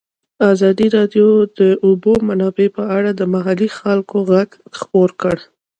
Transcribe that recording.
ازادي راډیو د د اوبو منابع په اړه د محلي خلکو غږ خپور کړی.